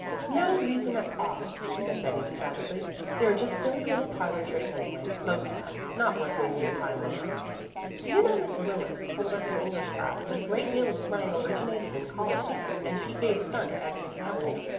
"No reason at all," said Betty decidedly. "They are just silly little parlor tricks anyway most of them not worth wasting time over. Do you know Miss Willis told us in English class that a great deal of slang originated in college, and she gave 'stunt' as an example.